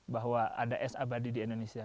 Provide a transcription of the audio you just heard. bahwa ada es abadi di indonesia